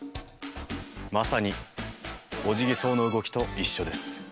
まさにオジギソウの動きと一緒です。